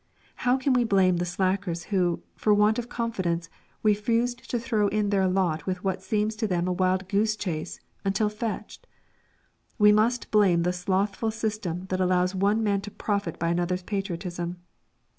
How can we blame the slackers who, for want of confidence, refused to throw in their lot with what seems to them a wild goose chase until fetched? We must blame the slothful system that allows one man to profit by another's patriotism.